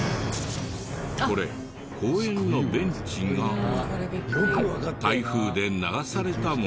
これ公園のベンチが台風で流されたものだった。